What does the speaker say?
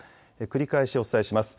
繰り返しお伝えします。